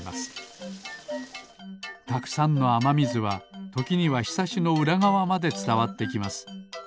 たくさんのあまみずはときにはひさしのうらがわまでつたわってきます。